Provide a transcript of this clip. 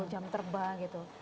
jam terbang gitu